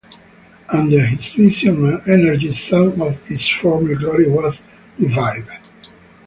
Under his vision and energy some of its former glory was revived.